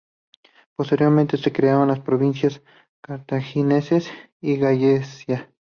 Posteriormente se crearon las provincias Carthaginense y Gallaecia.